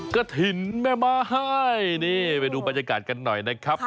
กระถิ่นแม่ไม้นี่ไปดูบรรยากาศกันหน่อยนะครับ